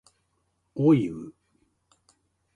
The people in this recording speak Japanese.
おいう